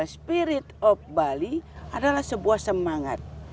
spirit of bali adalah sebuah semangat